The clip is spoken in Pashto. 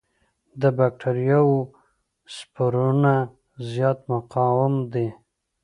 د بکټریاوو سپورونه زیات مقاوم دي.